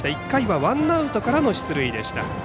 １回はワンアウトからの出塁でした。